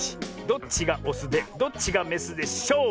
どっちがオスでどっちがメスでしょう？